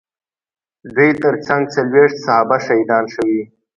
د دوی ترڅنګ څلوېښت صحابه شهیدان شوي.